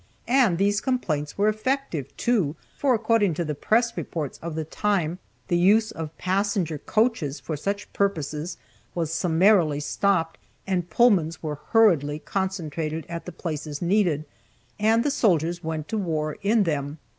And these complaints were effective, too, for, according to the press reports of the time, the use of passenger coaches for such purposes was summarily stopped and Pullmans were hurriedly concentrated at the places needed, and the soldiers went to war in them.